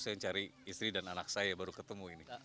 saya cari istri dan anak saya baru ketemu ini